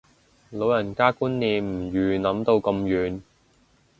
老人家觀念唔預諗到咁遠